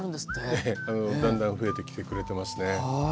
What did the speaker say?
ええだんだん増えてきてくれてますね。